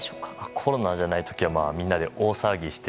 コロナじゃない時はみんなで大騒ぎして。